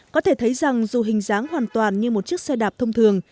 có thể thấy rằng dù hình dáng hoàn toàn như một chiếc xe đạp thông thường